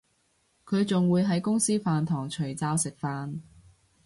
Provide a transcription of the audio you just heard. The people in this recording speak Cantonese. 佢仲會喺公司飯堂除罩食飯